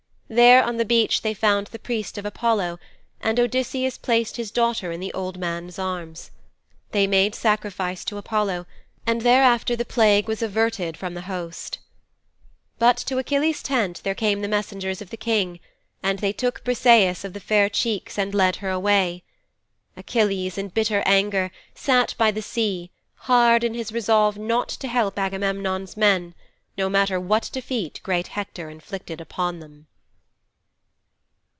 There on the beach they found the priest of Apollo, and Odysseus placed his daughter in the old man's arms. They made sacrifice to Apollo, and thereafter the plague was averted from the host. 'But to Achilles' tent there came the messengers of the King, and they took Briseis of the Fair Cheeks and led her away. Achilles, in bitter anger, sat by the sea, hard in his resolve not to help Agamemnon's men, no matter what defeat great Hector inflicted upon them.'